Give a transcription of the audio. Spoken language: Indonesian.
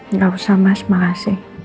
nggak usah mas makasih